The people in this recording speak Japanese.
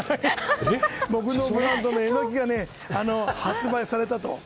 僕のブランドのエノキが発売されました。